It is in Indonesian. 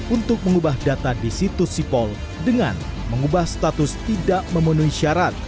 untuk mengubah data di situs sipol dengan mengubah status tidak memenuhi syarat